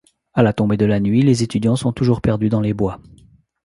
À la tombée de la nuit, les étudiants sont toujours perdus dans les bois.